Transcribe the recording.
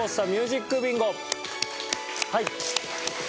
はい。